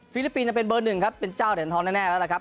ลิปปินส์เป็นเบอร์หนึ่งครับเป็นเจ้าเหรียญทองแน่แล้วล่ะครับ